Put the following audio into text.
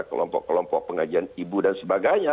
kelompok kelompok pengajian ibu dan sebagainya